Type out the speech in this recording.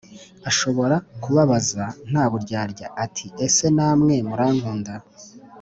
ashobora kubabaza nta buryarya ati ese namwe murankunda